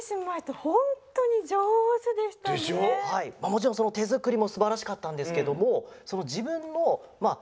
もちろんそのてづくりもすばらしかったんですけどもそのじぶんのまあ